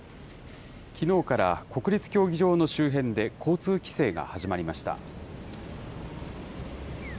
きのうから国立競技場の周辺で交通規制が始まりました。